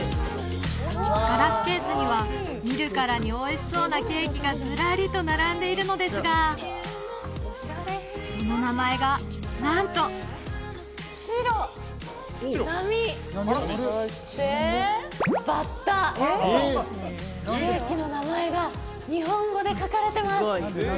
ガラスケースには見るからにおいしそうなケーキがずらりと並んでいるのですがその名前がなんとそしてケーキの名前が日本語で書かれてます